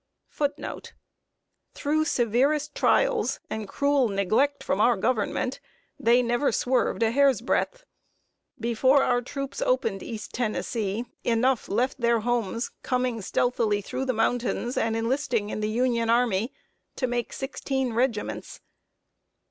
Through severest trials, and cruel neglect from our Government, they never swerved a hair's breadth. Before our troops opened East Tennessee, enough left their homes, coming stealthily through the mountains and enlisting in the Union army, to make sixteen regiments.